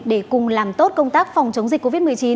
để cùng làm tốt công tác phòng chống dịch covid một mươi chín